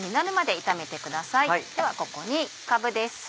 ではここにかぶです。